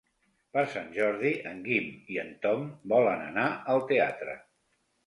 Per Sant Jordi en Guim i en Tom volen anar al teatre.